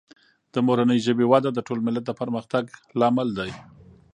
د مورنۍ ژبې وده د ټول ملت د پرمختګ لامل دی.